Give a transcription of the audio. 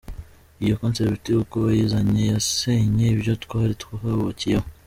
Iyo concept uko bayizanye yasenye ibyo twari twubakiyeho.